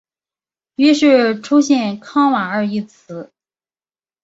于是出现康瓦尔一词。